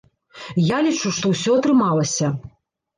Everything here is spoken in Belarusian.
Я лічу, што ўсё атрымалася.